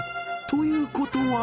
［ということは］